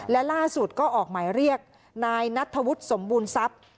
และล่าสุดก็ออกหมายเรียกนายนัทธวุฒิสมบูรณ์ทรัพย์